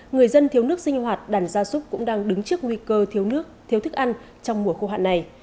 người dân thiếu nước sinh hoạt đàn gia súc cũng đang đứng trước nguy cơ thiếu nước thiếu thức ăn trong mùa khô hạn này